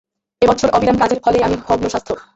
এ বৎসর অবিরাম কাজের ফলে আমি ভগ্নস্বাস্থ্য।